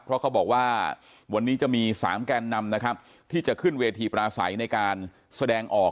เพราะเขาบอกว่าวันนี้จะมี๓แกนนำนะครับที่จะขึ้นเวทีปราศัยในการแสดงออก